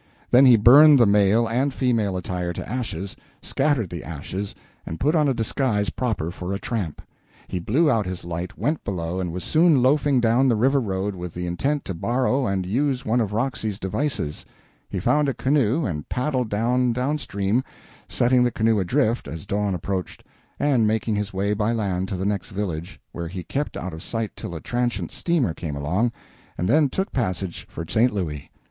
Then he burned his male and female attire to ashes, scattered the ashes, and put on a disguise proper for a tramp. He blew out his light, went below, and was soon loafing down the river road with the intent to borrow and use one of Roxy's devices. He found a canoe and paddled off down stream, setting the canoe adrift as dawn approached, and making his way by land to the next village, where he kept out of sight till a transient steamer came along, and then took deck passage for St. Louis.